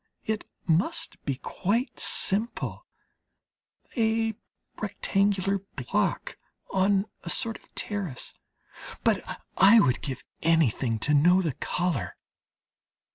It must be quite simple: a rectangular block on a sort of terrace; but I would give anything to know the colour.